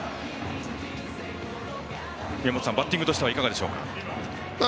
宮本さん、バッティングとしてはいかがでしょう。